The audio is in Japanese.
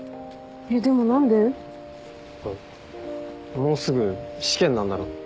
もうすぐ試験なんだろ？